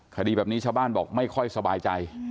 คดีแบบนี้ชาวบ้านบอกไม่ค่อยสบายใจ